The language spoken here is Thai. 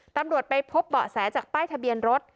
ตำรวจไปพบเบาะแสจากป้ายทะเบียนรถ